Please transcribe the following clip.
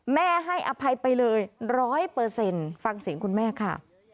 ให้อภัยไปเลย๑๐๐ฟังเสียงคุณแม่ค่ะ